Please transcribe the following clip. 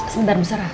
sebentar bu sara